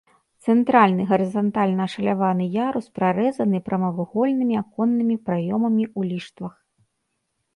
Цэнтральны гарызантальна ашаляваны ярус прарэзаны прамавугольнымі аконнымі праёмамі ў ліштвах.